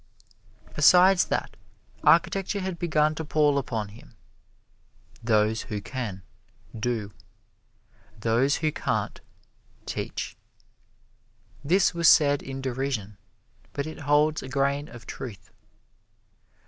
Besides that, architecture had begun to pall upon him. "Those who can, do; those who can't, teach." This was said in derision, but it holds a grain of truth.